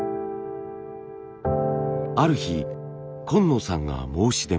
ある日今野さんが申し出ます。